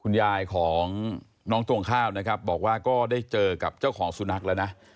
ยายของน้องตวงข้าวนะครับบอกว่าก็ได้เจอกับเจ้าของสุนัขแล้วนะ